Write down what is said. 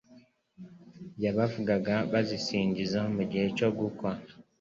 bayavugaga bazisingiza mu gihe cyo gukwa,